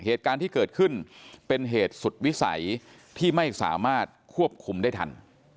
เหตุการณ์ที่เกิดขึ้นเป็นเหตุสุดวิสัยที่ไม่สามารถควบคุมได้ทัน